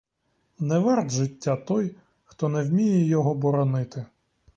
Не варт життя той, хто не вміє його боронити.